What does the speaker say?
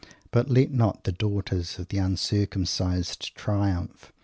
But let not the "daughters of the uncircumsized" triumph!